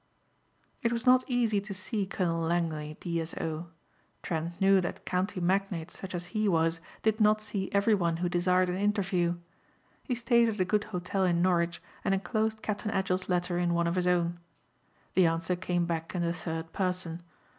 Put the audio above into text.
It was not easy to see Colonel Langley, D.S.O. Trent knew that county magnates such as he was did not see everyone who desired an interview. He stayed at a good hotel in Norwich and enclosed Captain Edgell's letter in one of his own. The answer came back in the third person.